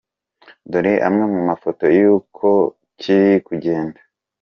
Dore amwe mu mafoto y’uko kiri kugenda :.